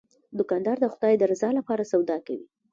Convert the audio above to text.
دوکاندار د خدای د رضا لپاره سودا کوي.